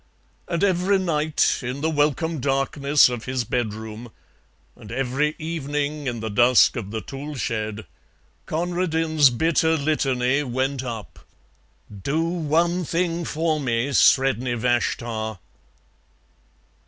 And every night, in the welcome darkness of his bedroom, and every evening in the dusk of the tool shed, Conradin's bitter litany went up: "Do one thing for me, Sredni Vashtar."